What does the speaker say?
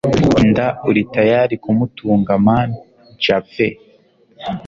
inda uri tayali kumutunga mn japhe